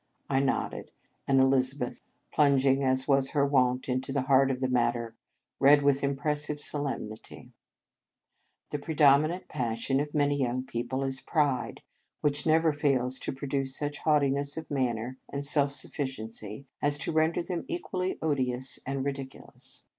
I nodded, and Elizabeth, plunging, 89 In Our Convent Days as was her wont, into the heart of the matter, read with impressive solem nity :" The predominant passion of many young people is pride, which never fails to produce such haughtiness of manner and self sufficiency as to ren der them equally odious and ridicu lous.